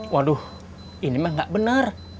waduh ini mah gak bener